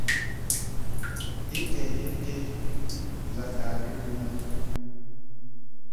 Ite nə̀ ite zakari dumə.